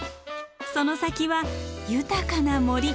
その先は豊かな森。